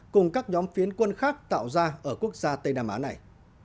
cùng các nhóm phiến quân khác tạo ra ở quốc gia tây nam á này